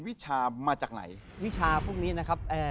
วิชาพลุกนี้นะครับ